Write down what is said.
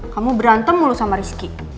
kamu berantem mulu sama rizky